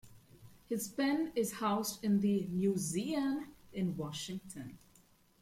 His pen is housed in the "Newseum" in Washington.